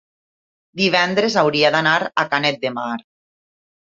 divendres hauria d'anar a Canet de Mar.